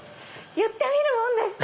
言ってみるもんでした。